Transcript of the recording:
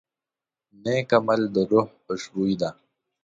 نیک عمل د روح خوشبويي ده.